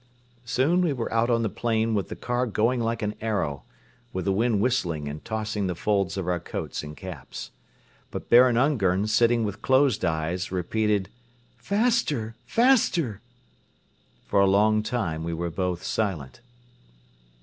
Soon we were out on the plain with the car going like an arrow, with the wind whistling and tossing the folds of our coats and caps. But Baron Ungern, sitting with closed eyes, repeated: "Faster! Faster!" For a long time we were both silent.